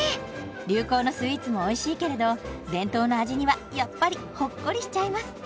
流行のスイーツもおいしいけれど伝統の味にはやっぱりホッコリしちゃいます。